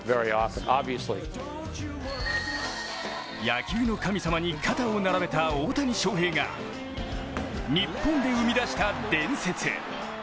野球の神様に肩を並べた大谷翔平が日本で生み出した伝説。